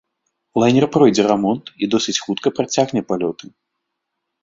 Лайнер пройдзе рамонт і досыць хутка працягне палёты.